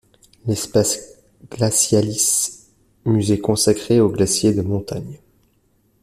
L'espace Glacialis - musée consacré aux glaciers de montagne.